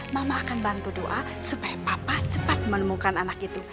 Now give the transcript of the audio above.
mama akan bantu doa supaya papa cepat menemukan anak itu